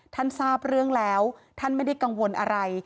ทราบเรื่องแล้วท่านไม่ได้กังวลอะไร